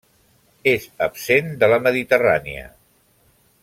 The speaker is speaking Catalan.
És absent de la Mediterrània.